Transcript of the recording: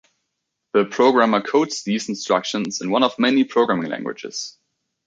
The programmer codes these instructions in one of many programming languages.